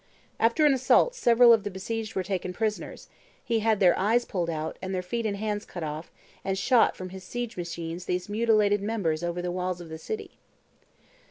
After an assault several of the besieged were taken prisoners; and he had their eyes pulled out, and their feet and hands cut off, and shot from his siege machines these mutilated members over the walls of the city.